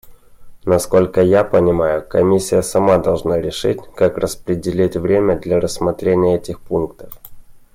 Насколько я понимаю, Комиссия сама должна решить, как распределить время для рассмотрения этих пунктов.